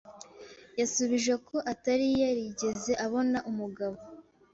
Yasubije ko atari yarigeze abona umugabo.